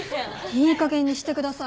いいかげんにしてください。